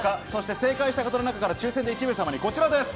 正解した方の中から抽選で１名様にこちらです。